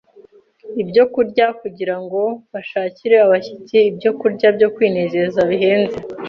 ibyokurya kugira ngo bashakire abashyitsi ibyokurya byo kwinezeza bihenze.